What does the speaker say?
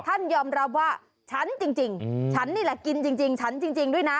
ท่านยอมรับว่าฉันจริงฉันนี่แหละกินจริงฉันจริงด้วยนะ